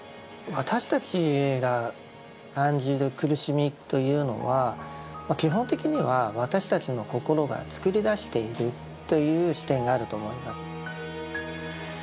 私たちが感じる苦しみというのは基本的には私たちの心が作り出しているという視点があると思います。